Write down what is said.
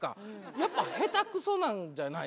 やっぱ下手くそなんじゃないですか？